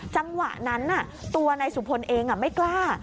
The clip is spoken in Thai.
จังหวะนั้นตัวนายสุพลเองไม่กล้า